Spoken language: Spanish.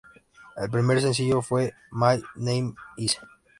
El primer sencillo fue "My Name Is".